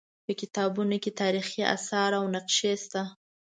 په کتابتون کې تاریخي اثار او نقشې شته.